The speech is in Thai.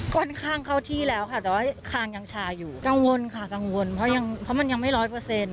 ค่อนข้างเข้าที่แล้วค่ะแต่ว่าคางยังชาอยู่กังวลค่ะกังวลเพราะยังเพราะมันยังไม่ร้อยเปอร์เซ็นต